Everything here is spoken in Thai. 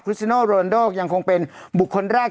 คริสเซโน่โรนันโด่ยังคงเป็นบุคคลแรก